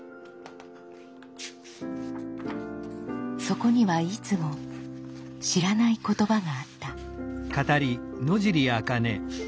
そこにはいつも知らない言葉があった。